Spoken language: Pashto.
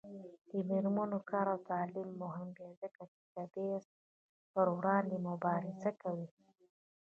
د میرمنو کار او تعلیم مهم دی ځکه چې تبعیض پر وړاندې مبارزه کوي.